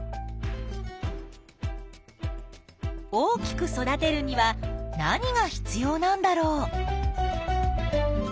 大きく育てるには何が必要なんだろう？